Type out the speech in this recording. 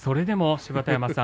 芝田山さん